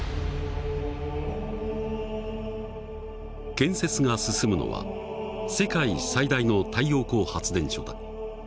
建設が進むのは世界最大の太陽光発電所だ。